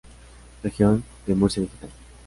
Región de Murcia Digital.